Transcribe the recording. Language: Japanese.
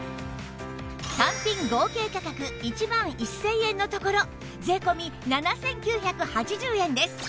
単品合計価格１万１０００円のところ税込７９８０円です